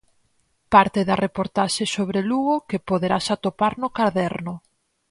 Parte da reportaxe sobre Lugo que poderás atopar no caderno.